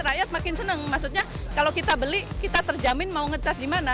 rakyat makin senang maksudnya kalau kita beli kita terjamin mau nge charge di mana